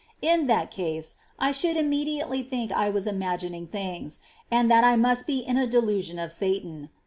In that case, I should immediately think I was imagining things and that I must be in a delusion of Satan.